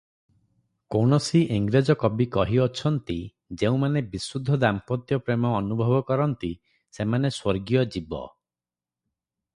କୌଣସି ଇଂରେଜ କବି କହିଅଛନ୍ତି "ଯେଉଁମାନେ ବିଶୁଦ୍ଧ ଦାମ୍ପତ୍ୟ ପ୍ରେମ ଅନୁଭବ କରନ୍ତି, ସେମାନେ ସ୍ୱର୍ଗୀୟ ଜୀବ ।